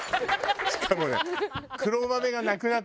しかもね。